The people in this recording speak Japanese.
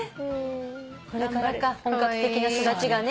これからか本格的な巣立ちがね。